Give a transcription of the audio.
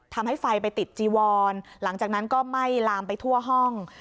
ทำให้ไฟไปติดจีวอนหลังจากนั้นก็ไหม้ลามไปทั่วห้อง